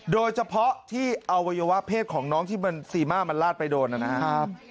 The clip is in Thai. โดยเฉพาะที่อวัยวะเพศของน้องที่ซีม่ามันลาดไปโดนนะครับ